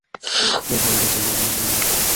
ওদের সাথে কাজ করলে বেশি দিন বাঁচবো না।